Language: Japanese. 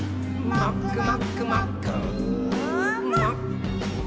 「もっくもっくもっくー」